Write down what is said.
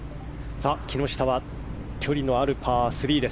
木下は距離のあるパー３です。